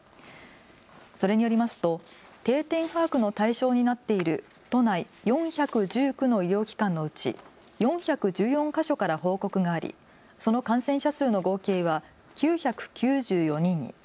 それによりますと定点把握の対象になっている都内４１９の医療機関のうち４１４か所から報告がありその感染者数の合計は９９４人に。